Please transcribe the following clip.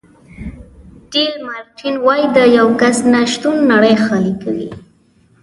ډي لمارټین وایي د یو کس نه شتون نړۍ خالي کوي.